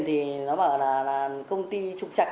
thì nó bảo là công ty trục trạch